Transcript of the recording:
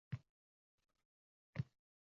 Shu vaqtgacha kim eding?»